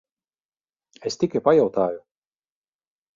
Es tikai pajautāju.